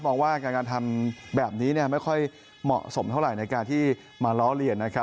มองว่าการทำแบบนี้ไม่ค่อยเหมาะสมเท่าไหร่ในการที่มาล้อเลียนนะครับ